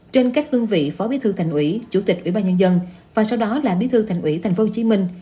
trên các cương vị phó bí thư thành ủy chủ tịch ủy ban nhân dân và sau đó là bí thư thành ủy thành phố hồ chí minh